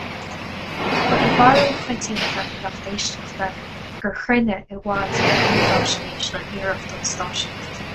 Ba é barúil choitianta an lucht éisteachta gur chruinne i bhfad a réamhaisnéis ná iarracht an stáisiúin.